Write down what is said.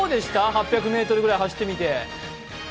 ８００ｍぐらい走ってみて。